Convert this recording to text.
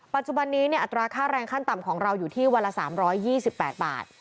ปัจจุบันนี้อัตราค่าแรงขั้นต่ำของเราอยู่ที่วันละ๓๒๘บาท